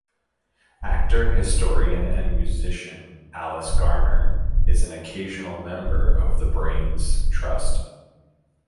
Actor, historian and musician Alice Garner is an occasional member of the Brains Trust.